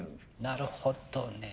なるほどね。